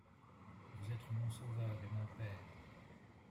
Vous êtes mon sauveur et mon père.